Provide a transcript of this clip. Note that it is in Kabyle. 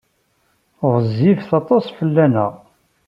Ɣezzifit aṭas fell-aneɣ.